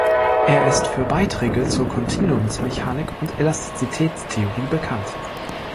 Er ist für Beiträge zur Kontinuumsmechanik und Elastizitätstheorie bekannt.